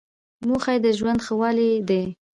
موخه یې د ژوند ښه والی دی.